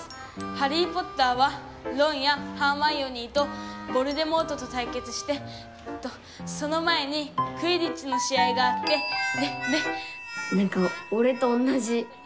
『ハリー・ポッター』はロンやハーマイオニーとヴォルデモートとたいけつしてえっとその前にクィディッチの試合があってでで」。